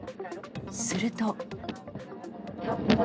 すると。